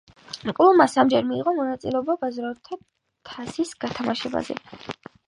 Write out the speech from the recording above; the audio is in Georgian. კლუბმა სამჯერ მიიღო მონაწილეობა ბაზრობათა თასის გათამაშებაში.